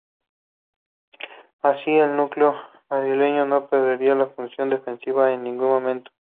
Así, el núcleo madrileño no perdería su función defensiva en ningún momento.